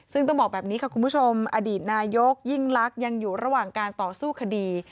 ซึ่งต้องบอกแบบนี้ค่ะคุณผู้ชมอดีตนายกยิ่งลักษณ์ยังอยู่ระหว่างการต่อสู้คดี